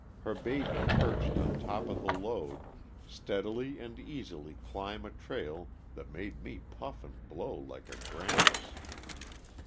her baby perched on top of the load, steadily and easily climb a trail that made me puff and blow like a grampus.